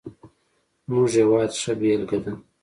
زموږ هېواد ښه بېلګه ده.